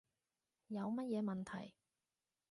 有乜嘢問題